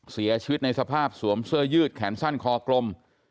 เสียชีวิตในสภาพสวมเสื้อยืดแขนสั้นคอกลม